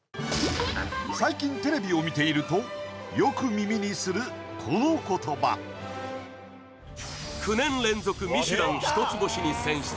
最近テレビを見ているとよく耳にするこの言葉「９年連続ミシュラン一つ星に選出」